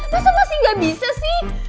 masa masih gak bisa sih